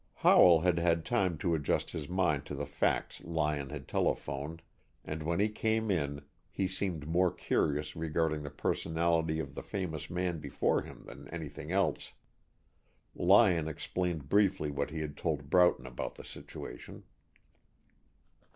Howell had had time to adjust his mind to the facts Lyon had telephoned, and when he came in he seemed more curious regarding the personality of the famous man before him than anything else. Lyon explained briefly what he had told Broughton about the situation.